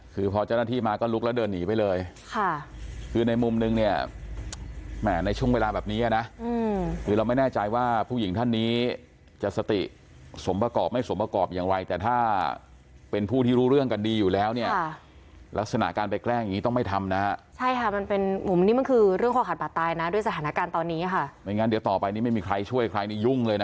คือพอเจ้าหน้าที่มาก็ลุกแล้วเดินหนีไปเลยค่ะคือในมุมนึงเนี่ยแม่ในช่วงเวลาแบบนี้นะคือเราไม่แน่ใจว่าผู้หญิงท่านนี้จะสติสมประกอบไม่สมประกอบอย่างวัยแต่ถ้าเป็นผู้ที่รู้เรื่องกันดีอยู่แล้วเนี่ยลักษณะการไปแกล้งอย่างนี้ต้องไม่ทำนะใช่ค่ะมันเป็นผมนี่มันคือเรื่องความขาดบาดตายนะด้วยสถานการณ์ตอน